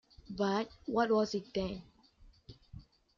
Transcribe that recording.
But what was it then?